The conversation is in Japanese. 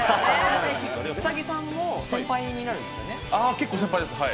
兎さんは先輩になるんですよね。